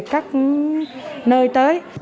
các nơi tới